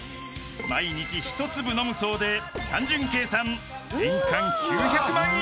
［毎日一粒飲むそうで単純計算年間９００万円以上！］